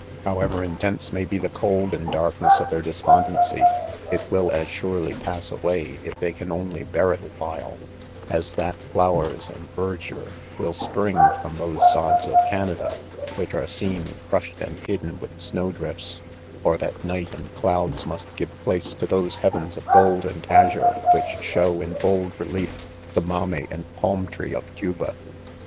However intense may he the cold and dark ness of their despondency, it will as surely pass away, if they can only bear it awhile, as that flowers and verdure Will spring from those sods of Canada, which are seen crushed and hidden with snow drifts ; or that night and clouds must give place to those heavens of gold and azure which show, in bold relief, themamey and palm tree of Cuba.